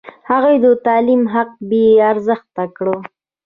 هغوی د تعلیم حق بې ارزښته کړ.